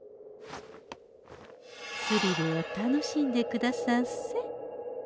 スリルを楽しんでくださんせ。